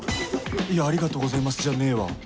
「ありがとうございます」じゃねえわ